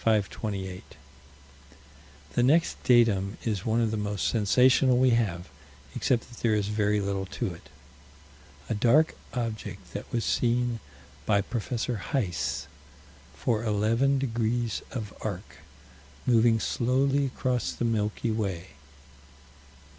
The next datum is one of the most sensational we have, except that there is very little to it. A dark object that was seen by Prof. Heis, for eleven degrees of arc, moving slowly across the Milky Way.